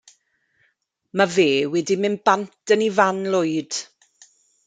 Ma' fe wedi mynd bant yn 'i fan lwyd.